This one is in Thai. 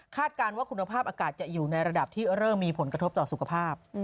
การว่าคุณภาพอากาศจะอยู่ในระดับที่เริ่มมีผลกระทบต่อสุขภาพ